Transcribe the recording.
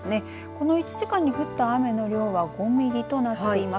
この１時間に降った雨の量は５ミリとなっています。